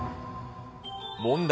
問題。